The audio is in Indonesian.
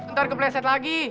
ntar kepleset lagi